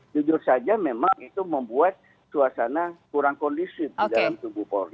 jujur saja memang itu membuat suasana kurang kondisif di dalam tubuh polri